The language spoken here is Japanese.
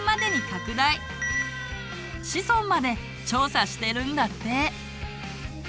子孫まで調査してるんだって。